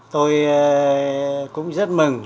tôi cũng rất mừng